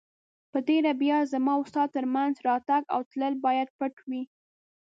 په تېره بیا زما او ستا تر مینځ راتګ او تلل باید پټ وي.